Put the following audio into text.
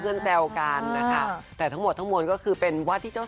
ก็บอกนางตรงเลยเกินไปแล้วนะ